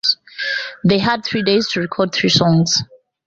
They had three days to record three songs.